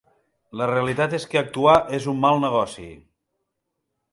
La realitat és que actuar és un mal negoci...